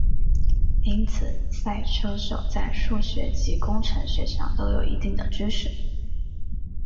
因此赛车手在数学及工程学上都有一定的知识。